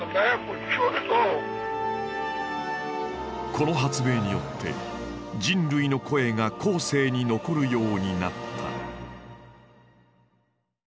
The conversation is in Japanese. この発明によって人類の声が後世に残るようになった。